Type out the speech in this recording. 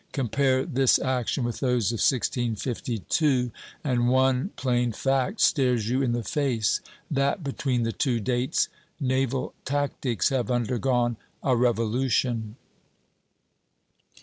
Compare this action with those of 1652, and one plain fact stares you in the face, that between the two dates naval tactics have undergone a revolution.